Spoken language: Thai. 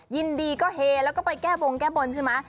ยินดีก็เฮแล้วก็ไปแก้บงแก้บนใช่ไหม